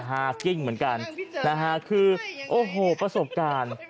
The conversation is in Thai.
ฮากิ้งเหมือนกันนะฮะคือโอ้โหประสบการณ์